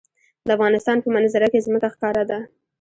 د افغانستان په منظره کې ځمکه ښکاره ده.